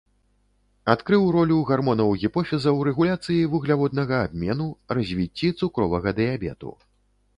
Адкрыў ролю гармонаў гіпофіза ў рэгуляцыі вугляводнага абмену, развіцці цукровага дыябету.